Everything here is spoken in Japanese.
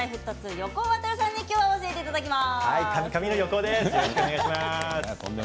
横尾渉さんに今日は教えていただきます。